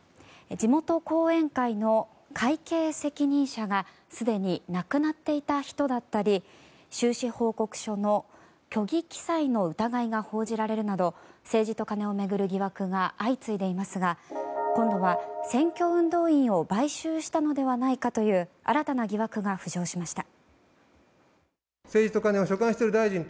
地元後援会の会計責任者がすでに亡くなっていた人だったり収支報告書の虚偽記載の疑いが報じられるなど政治とカネを巡る疑惑が相次いでいますが今度は選挙運動員を買収したのではないかという新たな疑惑が浮上しました。